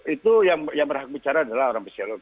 itu yang berhak bicara adalah orang besar